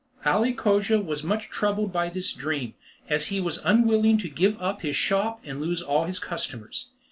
Ali Cogia was much troubled by this dream, as he was unwilling to give up his shop, and lose all his customers.